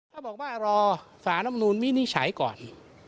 ถ้าบอกว่ารอสารมนูมินิฉัยก่อน